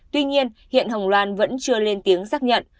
tuy nhiên hiện hồng loan vẫn chưa lên tiếng xác nhận